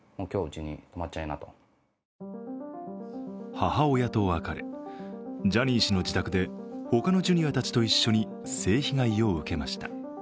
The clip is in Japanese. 母親と別れ、ジャニー氏の自宅で別のＪｒ．たちと一緒に性被害を受けました。